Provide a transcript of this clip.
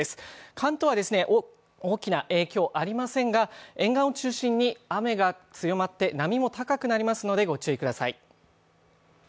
関東は大きな影響ありませんが、沿岸を中心に雨が強まって、波も高くなりますので、ご注意ください。